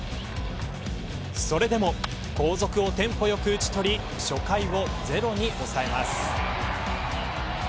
それでも、後続をテンポよく打ち取り初回をゼロに抑えます。